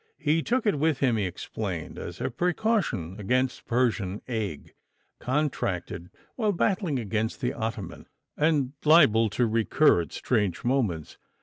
He took it with him, he explained, as a precaution against Persian ague, contracted while battling against the Ottoman, and liable to recur at strange moments.